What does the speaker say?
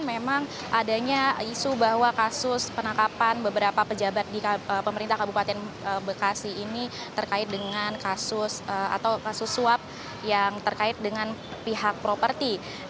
memang adanya isu bahwa kasus penangkapan beberapa pejabat di pemerintah kabupaten bekasi ini terkait dengan kasus atau kasus suap yang terkait dengan pihak properti